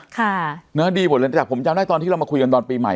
แต่ผมจำได้ตอนที่เรามาคุยกันตอนปีใหม่